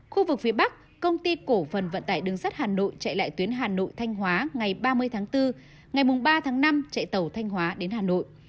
khu vực phía bắc công ty cổ phần vận tải đường sắt hà nội chạy lại tuyến hà nội thanh hóa ngày ba mươi tháng bốn ngày ba tháng năm chạy tàu thanh hóa đến hà nội